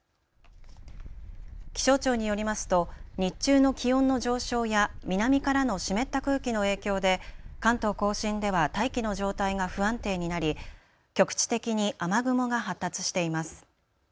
気象庁によりますと日中の気温の上昇や南からの湿った空気の影響で関東甲信では大気の状態が不安定になり局地的に雨雲が発達しています。